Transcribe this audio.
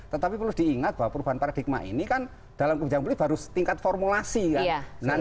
tetapi perlu diingat bahwa perubahan paradigma ini kan dalam kebijakan publik baru tingkat formulasi kan